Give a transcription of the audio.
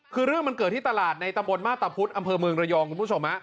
คือเรื่องมันเกิดที่ตลาดในตำบลมาตะพุธอำเภอเมืองระยองคุณผู้ชม